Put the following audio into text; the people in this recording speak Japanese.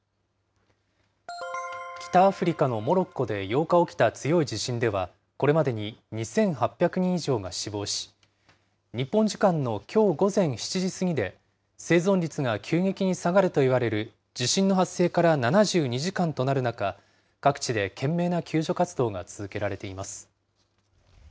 北アフリカのモロッコで８日起きた強い地震では、これまでに２８００人以上が死亡し、日本時間のきょう午前７時過ぎで、生存率が急激に下がるといわれる地震の発生から７２時間となる中、各地で懸命な救助活動が続けられています。